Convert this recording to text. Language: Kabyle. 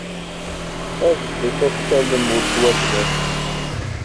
Adfet ad tallem weltma-twen.